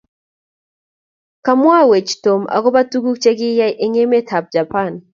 komwawech tom agoba tuguk chekiyai eng emetab Japan